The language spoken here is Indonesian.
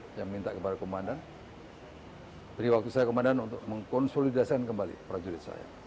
saya minta kepada komandan beri waktu saya komandan untuk mengkonsolidasikan kembali prajurit saya